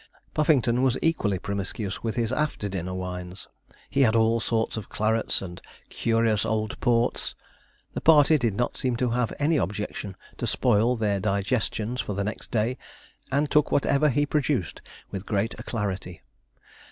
Puffington was equally promiscuous with his after dinner wines. He had all sorts of clarets, and 'curious old ports.' The party did not seem to have any objection to spoil their digestions for the next day, and took whatever he produced with great alacrity.